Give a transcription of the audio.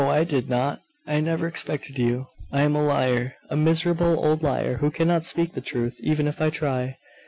I did not! I never expected you! I am a liar, a miserable old liar, who cannot speak the truth, even if I try!